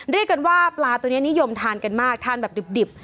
เรียกกันว่าปลาตัวนี้นิยมทานกันมากทานแบบดิบ